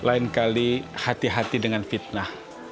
lain kali hati hati dengan fitnah